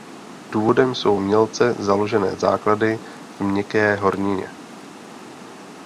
Důvodem jsou mělce založené základy v měkké hornině.